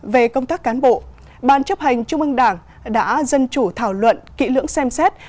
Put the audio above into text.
về công tác cán bộ ban chấp hành trung ương đảng đã dân chủ thảo luận kỹ lưỡng xem xét